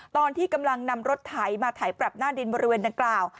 ตอนที่กำลังนำรถไถมาไถปรับหน้าดินบริเวณดังกล่าว